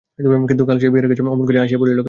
কিন্তু কাল সে বিহারীর কাছে অমন করিয়া আসিয়া পড়িল কেন।